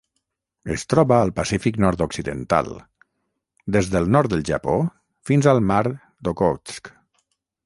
Es troba al Pacífic nord-occidental: des del nord del Japó fins al mar d'Okhotsk.